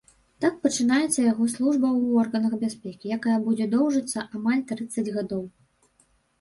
Так пачынаецца яго служба ў органах бяспекі, якая будзе доўжыцца амаль трыццаць гадоў.